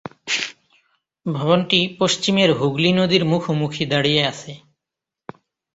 ভবনটি পশ্চিমের হুগলি নদীর মুখোমুখি দাঁড়িয়ে আছে।